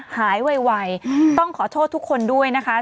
ไวต้องขอโทษทุกคนด้วยนะคะ